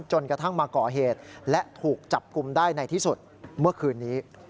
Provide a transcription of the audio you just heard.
จนกระทั่งมาก่อเหตุและถูกจับกลุ่มได้ในที่สุดเมื่อคืนนี้